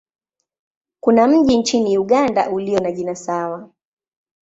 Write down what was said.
Kuna mji nchini Uganda ulio na jina sawa.